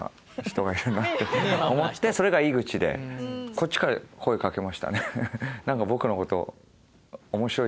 こっちから声かけましたね。